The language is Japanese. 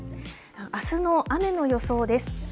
あすの雨の予想です。